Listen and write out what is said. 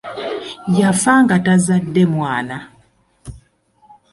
Yafa nga tazadde mwana.